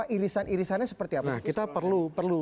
irisan irisannya seperti apa kita perlu